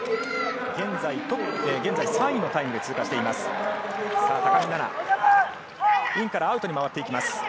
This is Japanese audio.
現在３位のタイムで通過しています。